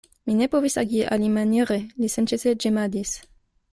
Mi ne povis agi alimaniere, li senĉese ĝemadis.